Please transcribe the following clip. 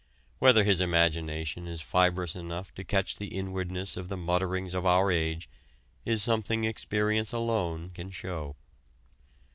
Whether his imagination is fibrous enough to catch the inwardness of the mutterings of our age is something experience alone can show.